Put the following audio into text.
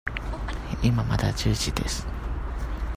今まだ十時です。